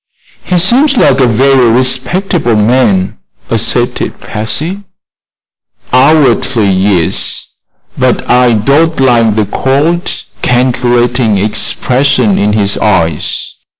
"He seems like a very respectable man," asserted Patsy. "Outwardly, yes; but I don't like the cold, calculating expression in his eyes.